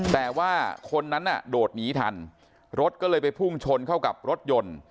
แต่ว่าคนนั้นน่ะโดดหนีทันรถก็เลยไปพุ่งชนเข้ากับรถยนต์